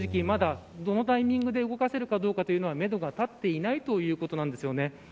まだ、どのタイミングで動かせるかどうかというのはめどが立っていないということなんです。